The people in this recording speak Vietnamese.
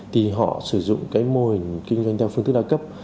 thì họ sử dụng cái mô hình kinh doanh theo phương thức đa cấp